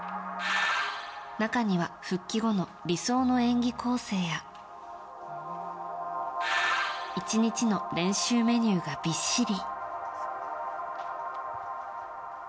中には復帰後の理想の演技構成や１日の練習メニューがびっしり。